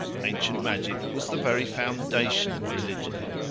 Ancient magic was the very foundation of religion.